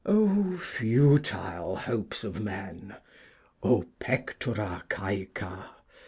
Oh futile hopes of men, _O pectora caeca!